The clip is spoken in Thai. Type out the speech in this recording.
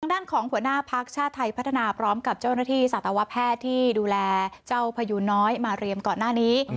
ด้านของหัวหน้าพักชาติไทยพัฒนาพร้อมกับเจ้าหน้าที่สัตวแพทย์ที่ดูแลเจ้าพยูน้อยมาเรียมก่อนหน้านี้